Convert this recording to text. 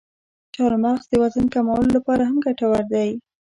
چارمغز د وزن کمولو لپاره هم ګټور دی.